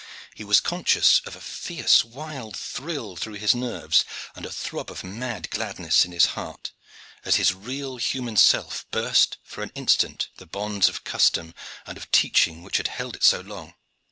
He was conscious of a fierce wild thrill through his nerves and a throb of mad gladness at his heart, as his real human self burst for an instant the bonds of custom and of teaching which had held it so long.